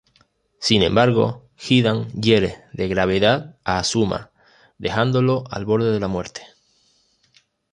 Sin embargo Hidan hiere de gravedad a Asuma, dejándolo al borde de la muerte.